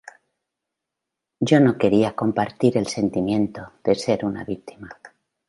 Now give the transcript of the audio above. Yo no quería compartir el sentimiento de ser una víctima.